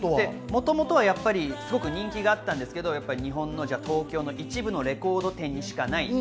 もともとはすごく人気があったんですけれど、日本の東京の一部のレコード店にしかない。